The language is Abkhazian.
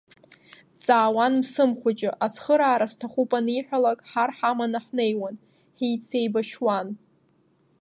Дҵаауан Мсым Хәыҷы, ацхыраара сҭахуп аниҳәалак, ҳар ҳаманы ҳнеиуан, ҳицеибашьуан.